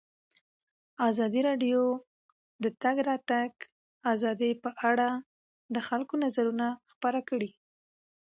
ازادي راډیو د د تګ راتګ ازادي په اړه د خلکو نظرونه خپاره کړي.